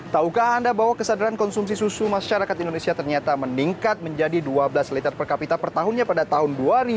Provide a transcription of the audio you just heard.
taukah anda bahwa kesadaran konsumsi susu masyarakat indonesia ternyata meningkat menjadi dua belas liter per kapita per tahunnya pada tahun dua ribu dua